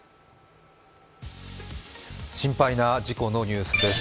心配な事故のニュースです。